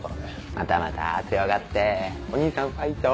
またまた強がってお義兄さんファイト。